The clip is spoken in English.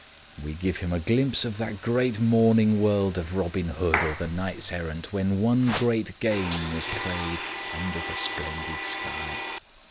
We give him a glimpse of that great morning world of Robin Hood or the Knights Errant, when one great game was played under the splendid sky.